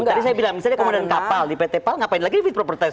tadi saya bilang misalnya komandan kapal di pt pal ngapain lagi fit proper test